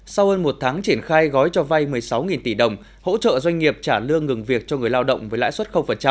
sau hơn một tháng triển khai gói cho vay một mươi sáu tỷ đồng hỗ trợ doanh nghiệp trả lương ngừng việc cho người lao động với lãi suất